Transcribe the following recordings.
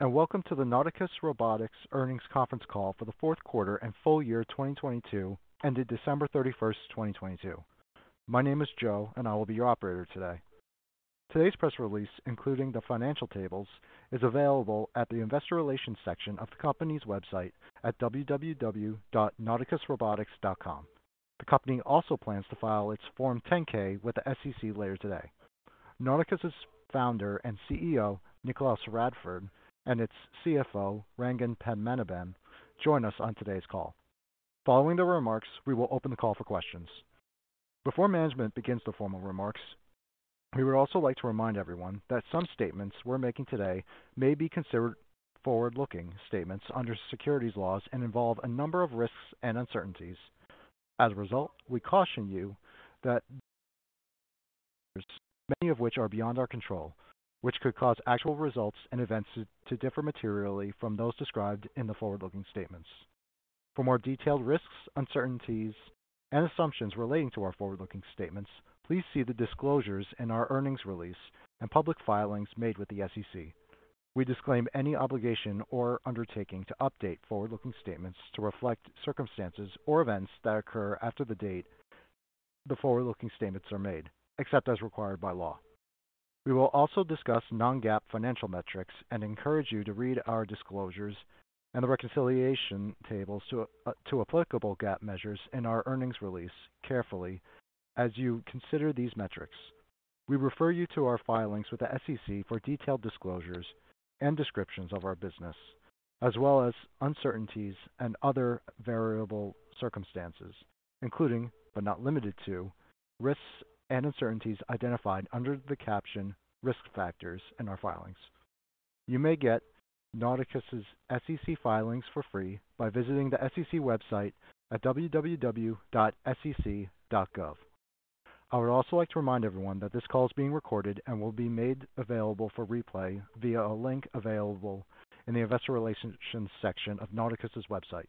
Hello, and welcome to the Nauticus Robotics Earnings Conference Call for the fourth quarter and full year 2022 ended December 31, 2022. My name is Joe, and I will be your operator today. Today's press release including the financial tables, is available at the investor relations section of the company's website at www.nauticusrobotics.com. The company also plans to file its Form 10-K with the SEC later today. Nauticus' founder and CEO, Nicolaus Radford, and its CFO, Rangan Padmanabhan join us on today's call. Following the remarks, we will open the call for questions. Before management begins the formal remarks, we would also like to remind everyone that some statements we're making today may be considered forward-looking statements under securities laws and involve a number of risks and uncertainties. As a result, we caution you that many of which are beyond our control, which could cause actual results and events to differ materially from those described in the forward-looking statements. For more detailed risks, uncertainties, and assumptions relating to our forward-looking statements please see the disclosures in our earnings release and public filings made with the SEC. We disclaim any obligation or undertaking to update forward-looking statements to reflect circumstances or events that occur after the date the forward-looking statements are made except as required by law. We will also discuss non-GAAP financial metrics and encourage you to read our disclosures and the reconciliation tables to applicable GAAP measures in our earnings release carefully as you consider these metrics. We refer you to our filings with the SEC for detailed disclosures and descriptions of our business, as well as uncertainties and other variable circumstances including, but not limited to risks and uncertainties identified under the caption Risk Factors in our filings. You may get Nauticus' SEC filings for free by visiting the SEC website at www.sec.gov. I would also like to remind everyone that this call is being recorded and will be made available for replay via a link available in the investor relations section of Nauticus' website.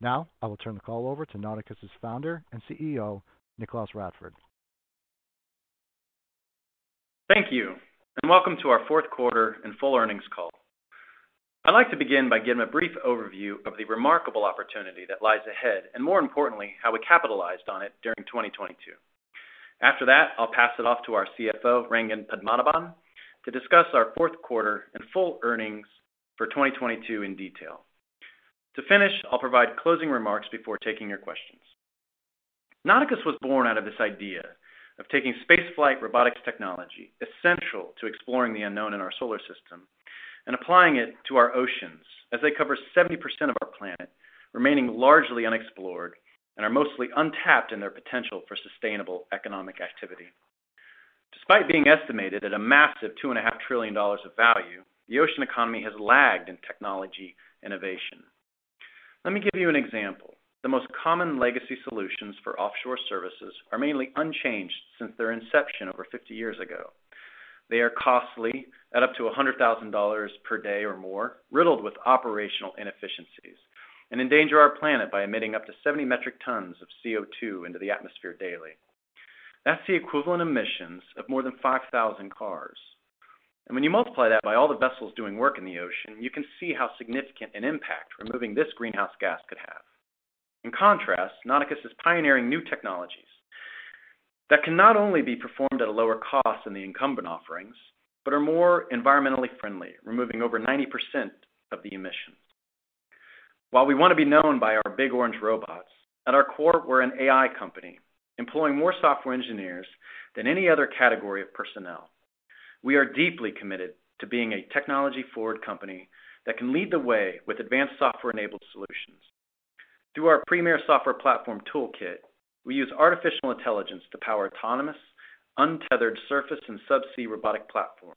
Now, I will turn the call over to Nauticus' founder and CEO, Nicolaus Radford. Thank you, and welcome to our fourth quarter and full earnings call. I'd like to begin by giving a brief overview of the remarkable opportunity that lies ahead, and more importantly, how we capitalized on it during 2022. After that, I'll pass it off to our CFO, Rangan Padmanabhan to discuss our fourth quarter and full earnings for 2022 in detail. To finish, I'll provide closing remarks before taking your questions. Nauticus was born out of this idea of taking space flight robotics technology essential to exploring the unknown in our solar system and applying it to our oceans as they cover 70% of our planet, remaining largely unexplored and are mostly untapped in their potential for sustainable economic activity. Despite being estimated at a massive two and a half trillion dollars of value, the ocean economy has lagged in technology innovation. Let me give you an example. The most common legacy solutions for offshore services are mainly unchanged since their inception over 50 years ago. They are costly at up to $100,000 per day or more, riddled with operational inefficiencies and endanger our planet by emitting up to 70 metric tons of CO2 into the atmosphere daily. That's the equivalent emissions of more than 5,000 cars. When you multiply that by all the vessels doing work in the ocean, you can see how significant an impact removing this greenhouse gas could have. In contrast Nauticus is pioneering new technologies that can not only be performed at a lower cost than the incumbent offerings but are more environmentally friendly removing over 90% of the emissions. While we wanna be known by our big orange robots, at our core, we're an AI company employing more software engineers than any other category of personnel. We are deeply committed to being a technology-forward company that can lead the way with advanced software-enabled solutions. Through our premier software platform toolKITT we use artificial intelligence to power autonomous untethered surface and subsea robotic platforms.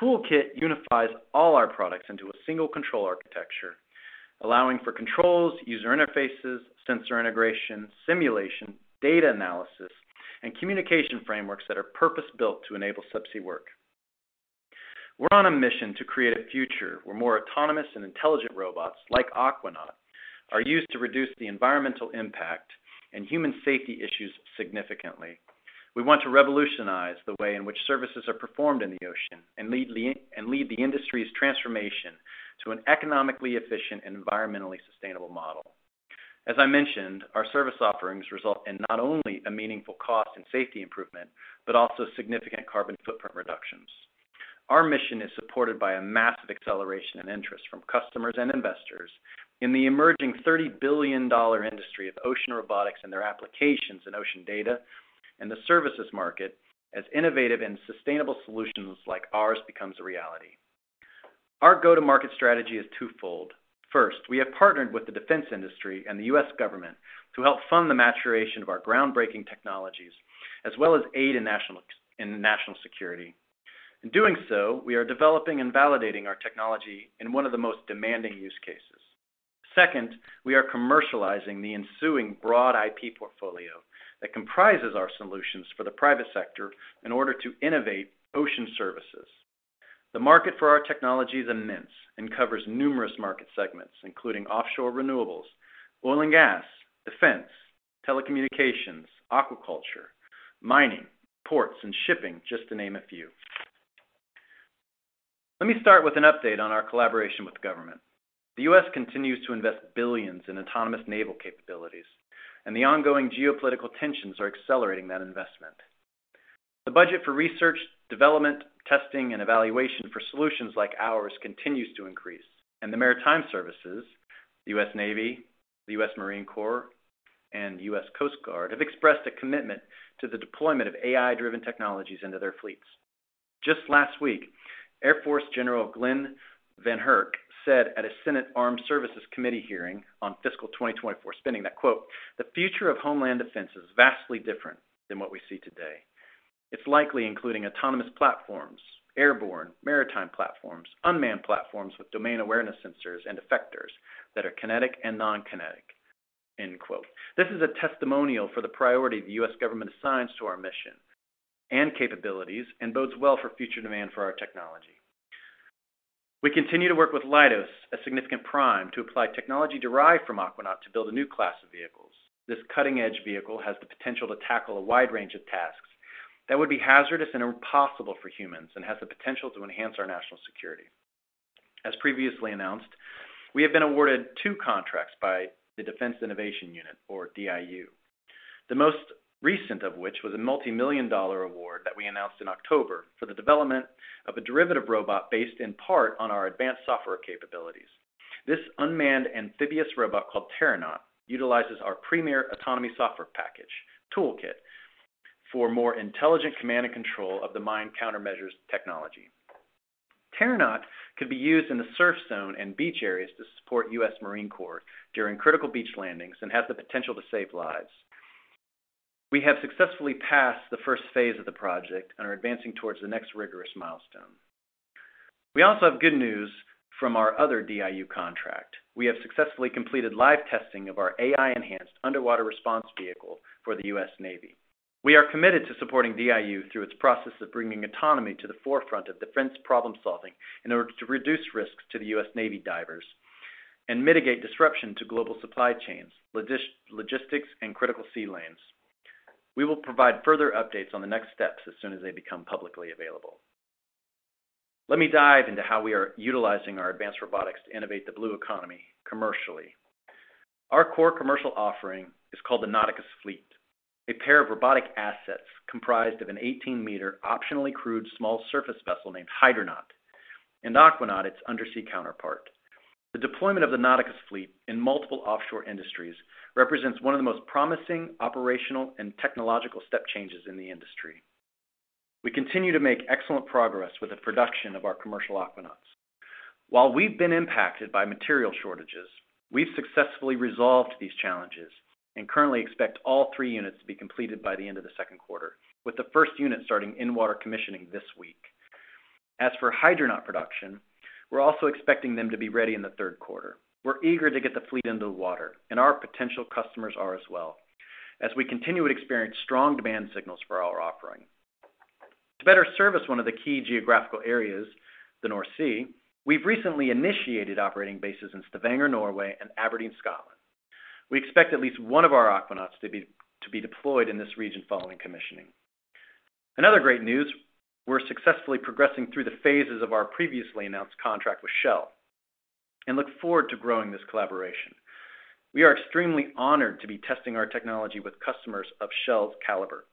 toolKITT unifies all our products into a single control architecture, allowing for controls, user interfaces, sensor integration, simulation, data analysis, and communication frameworks that are purpose-built to enable subsea work. We're on a mission to create a future where more autonomous and intelligent robots like Aquanaut are used to reduce the environmental impact and human safety issues significantly. We want to revolutionize the way in which services are performed in the ocean and lead and lead the industry's transformation to an economically efficient and environmentally sustainable model. As I mentioned our service offerings result in not only a meaningful cost and safety improvement, but also significant carbon footprint reductions. Our mission is supported by a massive acceleration in interest from customers and investors in the emerging $30 billion industry of ocean robotics and their applications in ocean data and the services market as innovative and sustainable solutions like ours becomes a reality. Our go-to-market strategy is twofold. First, we have partnered with the defense industry and the U.S. government to help fund the maturation of our groundbreaking technologies as well as aid in national security. In doing so, we are developing and validating our technology in one of the most demanding use cases. Second we are commercializing the ensuing broad IP portfolio that comprises our solutions for the private sector in order to innovate ocean services. The market for our technology is immense and covers numerous market segments, including offshore renewables, oil and gas, defense, telecommunications, aquaculture, mining, ports, and shipping, just to name a few. Let me start with an update on our collaboration with government. The U.S. continues to invest billions in autonomous naval capabilities, and the ongoing geopolitical tensions are accelerating that investment. The budget for research, development, testing, and evaluation for solutions like ours continues to increase, and the maritime services, the U.S. Navy, the U.S. Marine Corps, and U.S. Coast Guard, have expressed a commitment to the deployment of AI-driven technologies into their fleets. Just last week, Air Force General Glen VanHerck said at a Senate Committee on Armed Services hearing on fiscal 2024 spending that quote, "The future of Homeland Defense is vastly different than what we see today. It's likely including autonomous platforms, airborne, maritime platforms, unmanned platforms with domain awareness sensors and effectors that are kinetic and non-kinetic." End quote. This is a testimonial for the priority the U.S. government assigns to our mission and capabilities and bodes well for future demand for our technology. We continue to work with Leidos a significant prime to apply technology derived from Aquanaut to build a new class of vehicles. This cutting-edge vehicle has the potential to tackle a wide range of tasks that would be hazardous and impossible for humans, and has the potential to enhance our national security. As previously announced, we have been awarded two contracts by the Defense Innovation Unit, or DIU. The most recent of which was a multi-million dollar award that we announced in October for the development of a derivative robot based in part on our advanced software capabilities. This unmanned amphibious robot, called Terranaut, utilizes our premier autonomy software package toolKITT for more intelligent command and control of the mine countermeasures technology. Terranaut could be used in the surf zone and beach areas to support U.S. Marine Corps during critical beach landings and has the potential to save lives. We have successfully passed the first phase of the project and are advancing towards the next rigorous milestone. We also have good news from our other DIU contract. We have successfully completed live testing of our AI-enhanced underwater response vehicle for the U.S. Navy. We are committed to supporting DIU through its process of bringing autonomy to the forefront of defense problem-solving in order to reduce risks to the U.S. Navy divers and mitigate disruption to global supply chains, logistics, and critical sea lanes. We will provide further updates on the next steps as soon as they become publicly available. Let me dive into how we are utilizing our advanced robotics to innovate the blue economy commercially. Our core commercial offering is called the Nauticus Fleet, a pair of robotic assets comprised of an 18-meter, optionally crewed small surface vessel named Hydronaut and Aquanaut its undersea counterpart. The deployment of the Nauticus Fleet in multiple offshore industries represents one of the most promising operational and technological step changes in the industry. We continue to make excellent progress with the production of our commercial Aquanauts. While we've been impacted by material shortages, we've successfully resolved these challenges and currently expect all 3 units to be completed by the end of the second quarter, with the first unit starting in-water commissioning this week. As for Hydronaut production, we're also expecting them to be ready in the third quarter. We're eager to get the fleet into the water, and our potential customers are as well, as we continue to experience strong demand signals for our offering. To better service one of the key geographical areas the North Sea we've recently initiated operating bases in Stavanger, Norway and Aberdeen, Scotland. We expect at least one of our Aquanauts to be deployed in this region following commissioning. Another great news, we're successfully progressing through the phases of our previously announced contract with Shell and look forward to growing this collaboration. We are extremely honored to be testing our technology with customers of Shell's caliber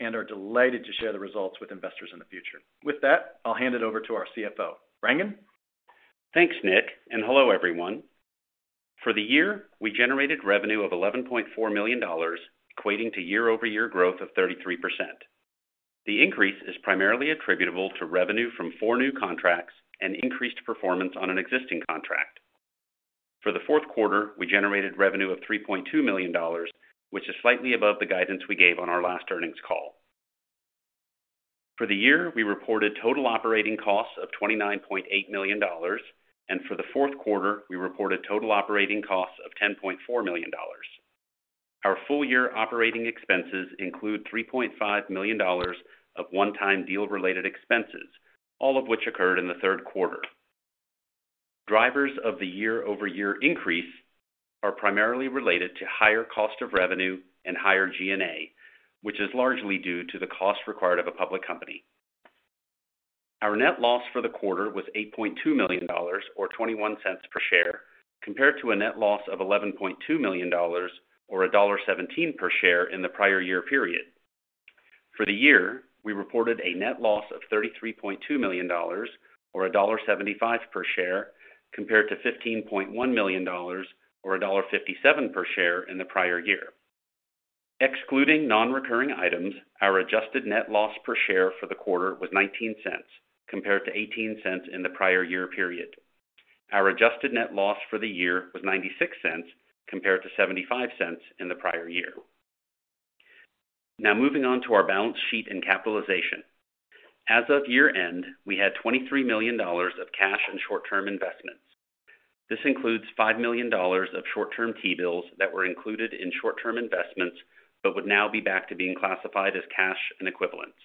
and are delighted to share the results with investors in the future. With that I'll hand it over to our CFO. Rangan? Thanks Nick, and hello, everyone. For the year we generated revenue of $11.4 million equating to year-over-year growth of 33%. The increase is primarily attributable to revenue from four new contracts and increased performance on an existing contract. For the fourth quarter we generated revenue of $3.2 million, which is slightly above the guidance we gave on our last earnings call. For the year we reported total operating costs of $29.8 million, and for the fourth quarter we reported total operating costs of $10.4 million. Our full year operating expenses include $3.5 million of one-time deal-related expenses, all of which occurred in the third quarter. Drivers of the year-over-year increase are primarily related to higher cost of revenue and higher G&A, which is largely due to the cost required of a public company. Our net loss for the quarter was $8.2 million, or $0.21 per share, compared to a net loss of $11.2 million or $1.17 per share in the prior year period. For the year, we reported a net loss of $33.2 million or $1.75 per share, compared to $15.1 million or $1.57 per share in the prior year. Excluding non-recurring items, our adjusted net loss per share for the quarter was $0.19, compared to $0.18 in the prior year period. Our adjusted net loss for the year was $0.96, compared to $0.75 in the prior year. Moving on to our balance sheet and capitalization. As of year-end, we had $23 million of cash and short-term investments. This includes $5 million of short-term T-bills that were included in short-term investments but would now be back to being classified as cash and equivalents.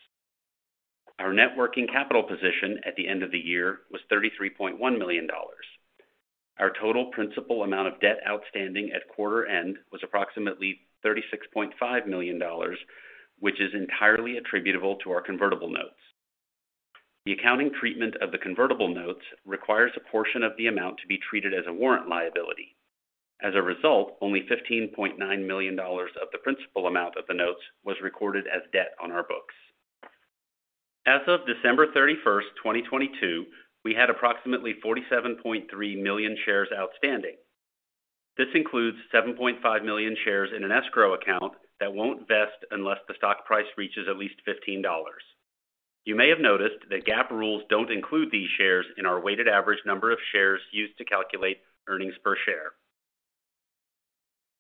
Our networking capital position at the end of the year was $33.1 million. Our total principal amount of debt outstanding at quarter end was approximately $36.5 million, which is entirely attributable to our convertible notes. The accounting treatment of the convertible notes requires a portion of the amount to be treated as a warrant liability. As a result, only $15.9 million of the principal amount of the notes was recorded as debt on our books. As of December 31st, 2022, we had approximately 47.3 million shares outstanding. This includes 7.5 million shares in an escrow account that won't vest unless the stock price reaches at least $15. You may have noticed that GAAP don't include these shares in our weighted average number of shares used to calculate earnings per share.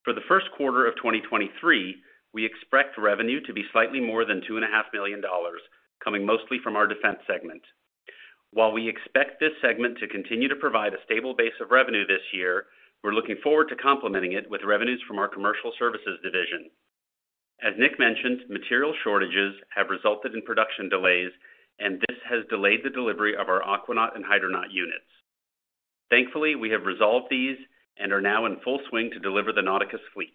For the first quarter of 2023, we expect revenue to be slightly more than two and a half million dollars, coming mostly from our defense segment. While we expect this segment to continue to provide a stable base of revenue this year, we're looking forward to complementing it with revenues from our commercial services division. As Nick mentioned, material shortages have resulted in production delays, and this has delayed the delivery of our Aquanaut and Hydronaut units. Thankfully, we have resolved these and are now in full swing to deliver the Nauticus Fleet.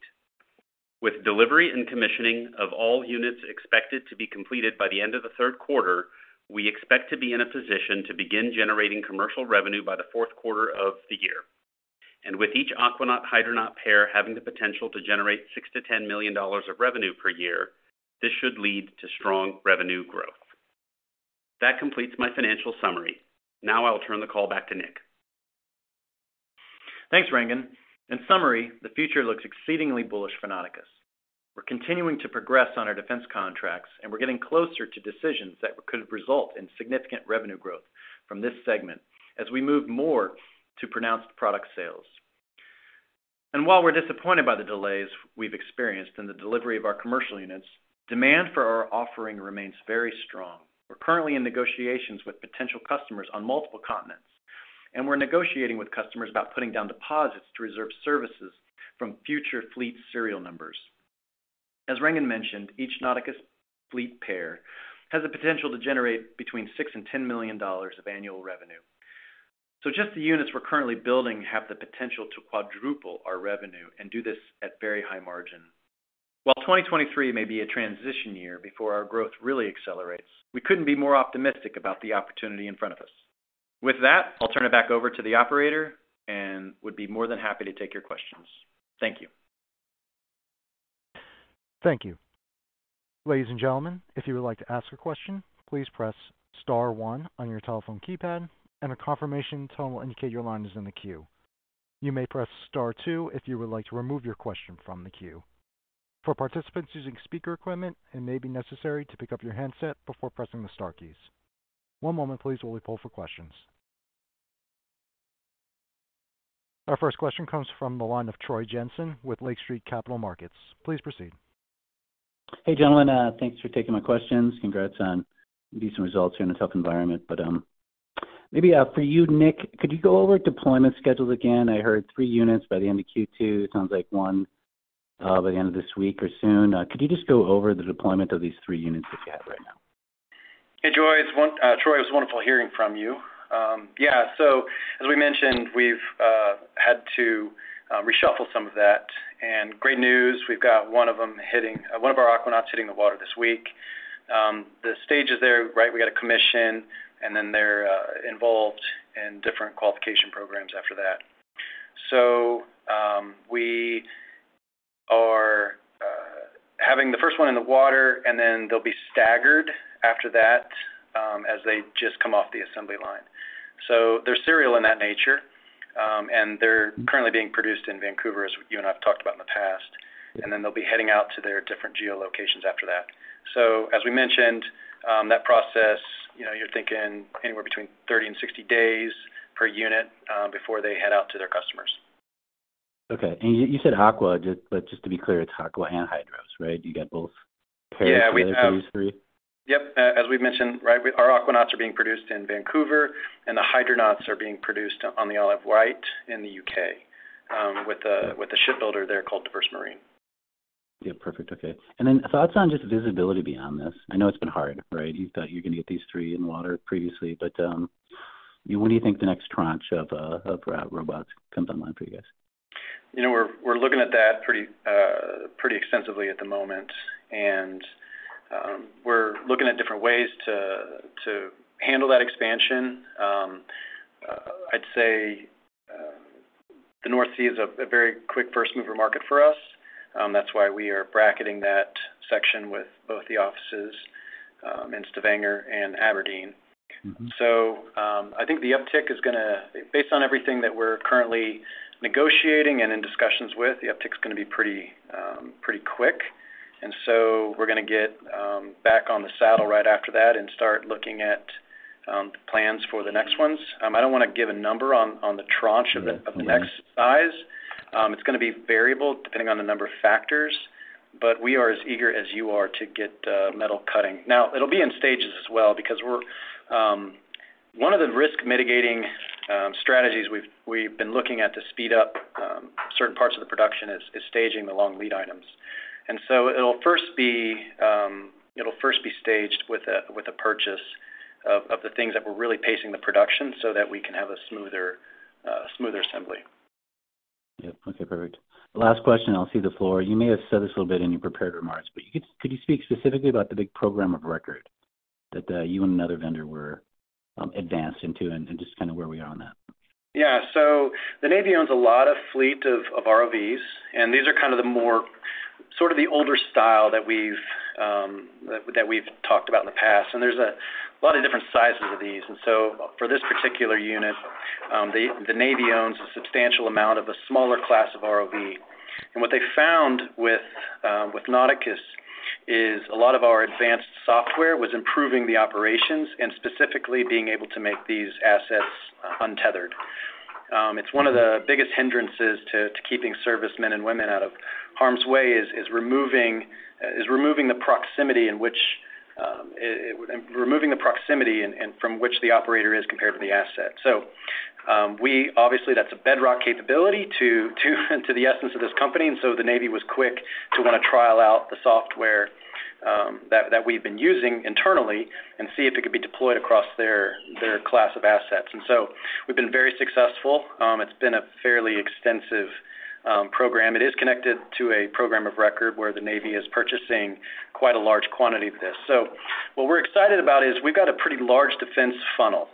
With delivery and commissioning of all units expected to be completed by the end of the third quarter, we expect to be in a position to begin generating commercial revenue by the fourth quarter of the year. With each Aquanaut/Hydronaut pair having the potential to generate $6 million-$10 million of revenue per year, this should lead to strong revenue growth. That completes my financial summary. I'll turn the call back to Nick. Thanks, Rangan. In summary, the future looks exceedingly bullish for Nauticus. We're continuing to progress on our defense contracts, and we're getting closer to decisions that could result in significant revenue growth from this segment as we move more to pronounced product sales. While we're disappointed by the delays we've experienced in the delivery of our commercial units, demand for our offering remains very strong. We're currently in negotiations with potential customers on multiple continents, and we're negotiating with customers about putting down deposits to reserve services from future fleet serial numbers. As Rangan mentioned, each Nauticus Fleet pair has the potential to generate between $6 million and $10 million of annual revenue. Just the units we're currently building have the potential to quadruple our revenue and do this at very high margin. While 2023 may be a transition year before our growth really accelerates, we couldn't be more optimistic about the opportunity in front of us. With that, I'll turn it back over to the operator and would be more than happy to take your questions. Thank you. Thank you. Ladies and gentlemen, if you would like to ask a question, please press star one on your telephone keypad and a confirmation tone will indicate your line is in the queue. You may press star two if you would like to remove your question from the queue. For participants using speaker equipment, it may be necessary to pick up your handset before pressing the star keys. One moment please while we poll for questions. Our first question comes from the line of Troy Jensen with Lake Street Capital Markets. Please proceed. Hey, gentlemen. Thanks for taking my questions. Congrats on decent results here in a tough environment. Maybe for you, Nick, could you go over deployment schedules again? I heard 3 units by the end of Q2. It sounds like 1 by the end of this week or soon. Could you just go over the deployment of these three units that you have right now? Hey, Troy. Troy, it was wonderful hearing from you. Yeah. As we mentioned, we've had to reshuffle some of that. Great news, we've got one of our Aquanauts hitting the water this week. The stage is there, right? We got a commission, and then they're involved in different qualification programs after that. We are having the first one in the water and then they'll be staggered after that as they just come off the assembly line. They're serial in that nature, and they're currently being produced in Vancouver, as you and I have talked about in the past, and then they'll be heading out to their different geolocations after that. As we mentioned, that process you know you're thinking anywhere between 30 and 60 days per unit, before they head out to their customers. Okay. You said Aqua, just to be clear, it's Aqua and Hydros, right? You got both pairs for those three? Yep. As we've mentioned, right, our Aquanauts are being produced in Vancouver. The Hydronauts are being produced on the Isle of Wight in the U.K., with a shipbuilder there called Diverse Marine. Yeah, perfect. Okay. Thoughts on just visibility beyond this? I know it's been hard, right? You thought you're gonna get these three in water previously, but, when do you think the next tranche of robots comes online for you guys? You know, we're looking at that pretty extensively at the moment, and we're looking at different ways to handle that expansion. I'd say the North Sea is a very quick first mover market for us, that's why we are bracketing that section with both the offices in Stavanger and Aberdeen. Mm-hmm. I think the uptick is gonna Based on everything that we're currently negotiating and in discussions with, the uptick's gonna be pretty quick. We're gonna get back on the saddle right after that and start looking at plans for the next ones. I don't wanna give a number on the tranche of the- Mm-hmm. Mm-hmm. of the next size. It's gonna be variable depending on the number of factors, but we are as eager as you are to get metal cutting. It'll be in stages as well because we're. One of the risk mitigating strategies we've been looking at to speed up certain parts of the production is staging the long lead items. It'll first be staged with a purchase of the things that we're really pacing the production so that we can have a smoother assembly. Yeah. Okay, perfect. Last question, I'll cede the floor. You may have said this a little bit in your prepared remarks, could you speak specifically about the big program of record that you and another vendor were advanced into and just kind a where we are on that? Yeah. The Navy owns a lot of fleet of ROVs, and these are kind of the more sort of the older style that we've talked about in the past. There's a lot of different sizes of these. For this particular unit, the Navy owns a substantial amount of a smaller class of ROV. What they found with Nauticus is a lot of our advanced software was improving the operations and specifically being able to make these assets untethered. It's one of the biggest hindrances to keeping servicemen and women out of harm's way is removing the proximity and from which the operator is compared to the asset. We obviously that's a bedrock capability to the essence of this company, and so the Navy was quick to wanna trial out the software that we've been using internally and see if it could be deployed across their class of assets. We've been very successful. It's been a fairly extensive program. It is connected to a program of record where the Navy is purchasing quite a large quantity of this. What we're excited about is we've got a pretty large defense funnel.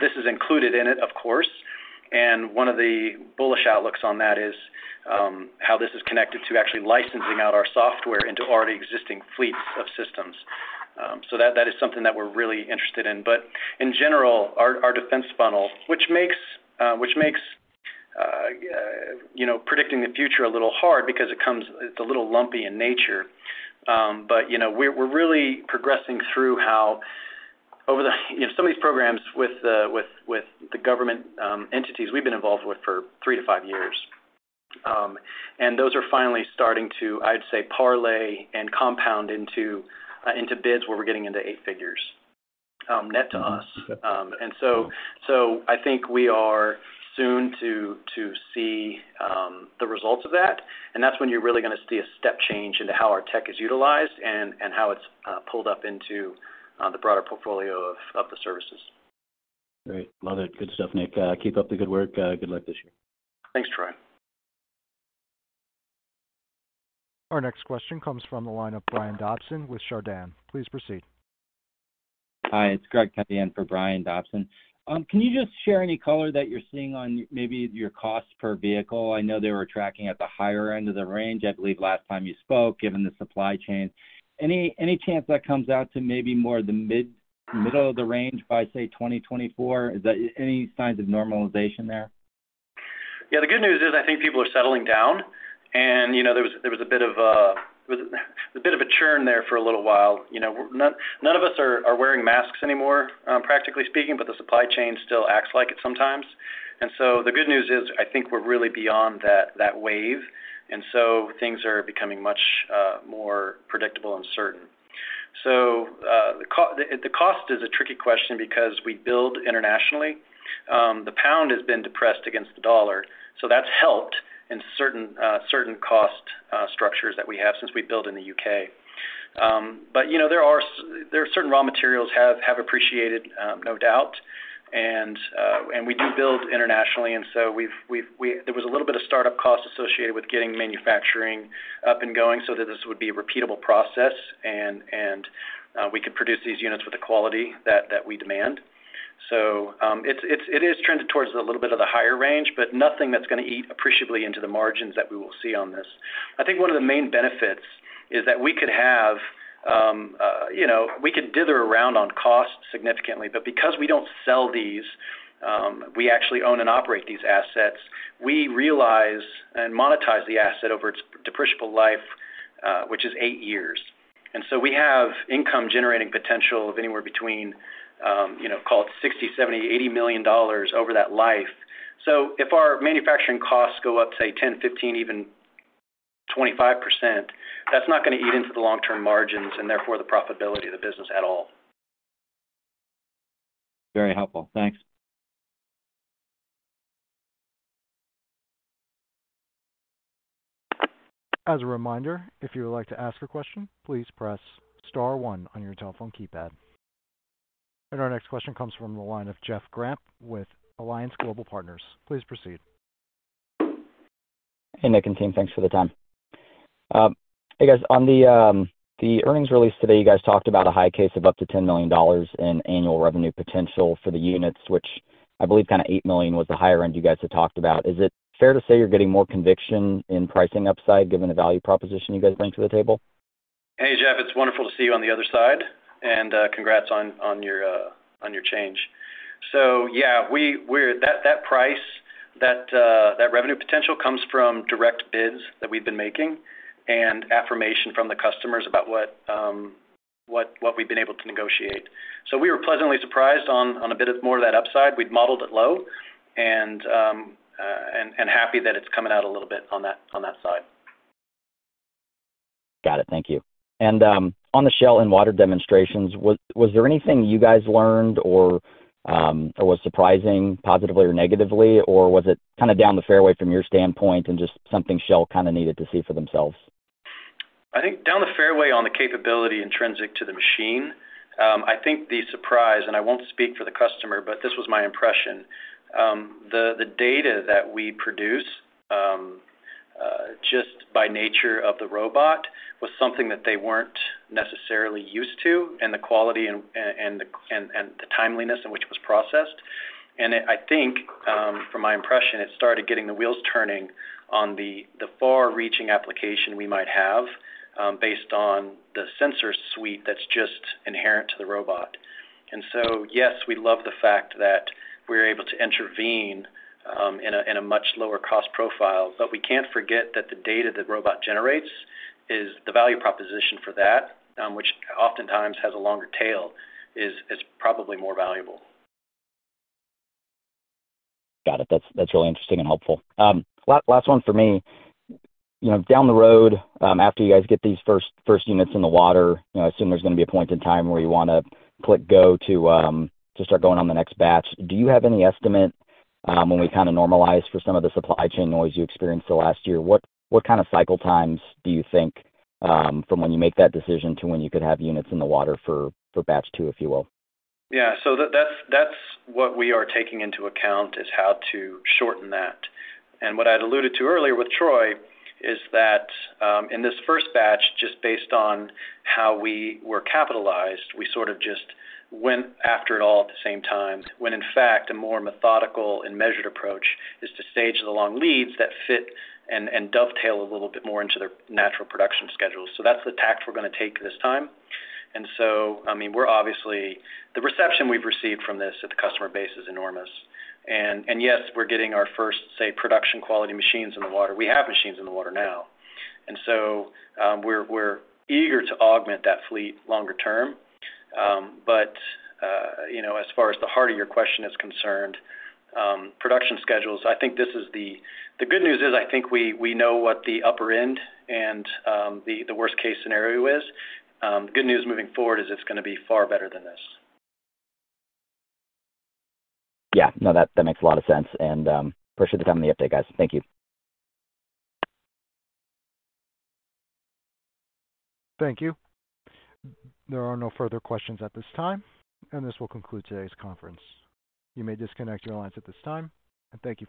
This is included in it, of course, and one of the bullish outlooks on that is how this is connected to actually licensing out our software into already existing fleets of systems. That is something that we're really interested in. In general, our defense funnel, which makes, which makes you know predicting the future a little hard because it's a little lumpy in nature. You know, we're really progressing through how over the you know, some of these programs with the government entities we've been involved with for three to five years. Those are finally starting to, I'd say, parlay and compound into bids where we're getting into eight figures net to us. I think we are soon to see the results of that, and that's when you're really gonna see a step change into how our tech is utilized and how it's pulled up into the broader portfolio of the services. Great. Love it. Good stuff, Nick. Keep up the good work. Good luck this year. Thanks, Troy. Our next question comes from the line of Brian Dobson with Chardan. Please proceed. Hi, it's Greg at the end for Brian Dobson. Can you just share any color that you're seeing on maybe your cost per vehicle? I know they were tracking at the higher end of the range, I believe last time you spoke, given the supply chain. Any chance that comes out to maybe more the middle of the range by, say, 2024? Any signs of normalization there? Yeah, the good news is I think people are settling down, and you know there was a bit of a churn there for a little while. You know, none of us are wearing masks anymore, practically speaking, but the supply chain still acts like it sometimes. The good news is, I think we're really beyond that wave, and things are becoming much more predictable and certain. The cost is a tricky question because we build internationally. The pound has been depressed against the dollar, so that's helped in certain cost structures that we have since we build in the U.K. You know, there are certain raw materials have appreciated, no doubt. We do build internationally, we've there was a little bit of startup cost associated with getting manufacturing up and going so that this would be a repeatable process and we could produce these units with the quality that we demand. It's trending towards a little bit of the higher range, nothing that's gonna eat appreciably into the margins that we will see on this. I think one of the main benefits is that we could have you know we could dither around on cost significantly, because we don't sell these, we actually own and operate these assets, we realize and monetize the asset over its depreciable life, which is eight years. We have income generating potential of anywhere between you know call it $60 million, $70 million, $80 million over that life. If our manufacturing costs go up, say 10%-15%, even 25%, that's not gonna eat into the long-term margins and therefore the profitability of the business at all. Very helpful. Thanks. As a reminder, if you would like to ask a question, please press star one on your telephone keypad. Our next question comes from the line of Jeff Gramp with Alliance Global Partners. Please proceed. Hey, Nick and team. Thanks for the time. Hey, guys. On the earnings release today, you guys talked about a high case of up to $10 million in annual revenue potential for the units, which I believe kind a $8 million was the higher end you guys had talked about. Is it fair to say you're getting more conviction in pricing upside given the value proposition you guys bring to the table? Hey, Jeff, it's wonderful to see you on the other side. Congrats on your change. Yeah, we're that price, that revenue potential comes from direct bids that we've been making and affirmation from the customers about what we've been able to negotiate. We were pleasantly surprised on a bit of more of that upside. We'd modeled it low and happy that it's coming out a little bit on that, on that side. Got it. Thank you. On the Shell in water demonstrations, was there anything you guys learned or was surprising positively or negatively, or was it kinda down the fairway from your standpoint and just something Shell kind a needed to see for themselves? I think down the fairway on the capability intrinsic to the machine, I think the surprise, and I won't speak for the customer, but this was my impression, the data that we produce, just by nature of the robot was something that they weren't necessarily used to, and the quality and the timeliness in which it was processed. I think, from my impression, it started getting the wheels turning on the far-reaching application we might have, based on the sensor suite that's just inherent to the robot. Yes, we love the fact that we're able to intervene, in a much lower cost profile, but we can't forget that the data the robot generates is the value proposition for that, which oftentimes has a longer tail, is probably more valuable. Got it. That's really interesting and helpful. Last one for me. You know, down the road, after you guys get these first units in the water you know I assume there's gonna be a point in time where you wanna click go to start going on the next batch. Do you have any estimate, when we kind a normalize for some of the supply chain noise you experienced the last year? What kind of cycle times do you think, from when you make that decision to when you could have units in the water for batch two, if you will? Yeah. That's what we are taking into account, is how to shorten that. What I'd alluded to earlier with Troy is that, in this first batch, just based on how we were capitalized, we sort of just went after it all at the same time, when in fact, a more methodical and measured approach is to stage the long leads that fit and dovetail a little bit more into their natural production schedule. That's the tact we're gonna take this time. I mean, we're obviously. The reception we've received from this at the customer base is enormous. And yes, we're getting our first, say, production quality machines in the water. We have machines in the water now. We're eager to augment that fleet longer term. You know, as far as the heart of your question is concerned, production schedules, I think this is the good news is I think we know what the upper end and the worst case scenario is. The good news moving forward is it's gonna be far better than this. Yeah. No, that makes a lot of sense. Appreciate the time and the update, guys. Thank you. Thank you. There are no further questions at this time, and this will conclude today's conference. You may disconnect your lines at this time, and thank you for your participation.